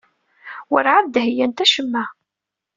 Werɛad d-heyyant acemma.